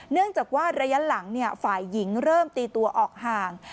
เนื่องจากว่าระยะหลังฝ่ายหญิงเริ่มตีตัวออกห่าง